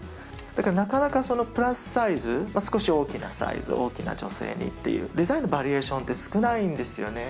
だからなかなかプラスサイズ、少し大きなサイズ、大きな女性にっていう、デザインのバリエーションって少ないんですよね。